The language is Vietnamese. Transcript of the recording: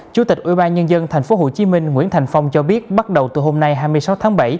chủ tịch ubnd tp hcm nguyễn thành phong cho biết bắt đầu từ hôm nay hai mươi sáu tháng bảy